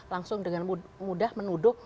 langsung dengan mudah menuduh